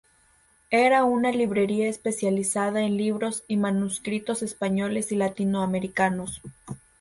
Era una librería especializada en libros y manuscritos españoles y latinoamericanos.